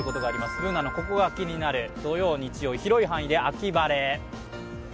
Ｂｏｏｎａの「ココがキニナル」土曜・日曜広い範囲で秋晴れ。